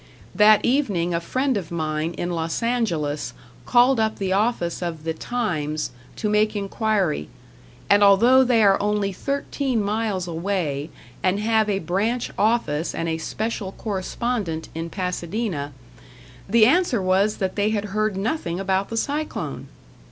That evening a friend of mine in Los Angeles called up the office of the "Times" to make inquiry; and although they are only thirteen miles away, and have a branch office and a special correspondent in Pasadena, the answer was that they had heard nothing about the cyclone!